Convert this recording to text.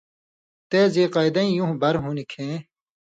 تے ذیقعدَیں یُون٘ہہۡ برہۡ ہُوۡن٘دیۡ کھیں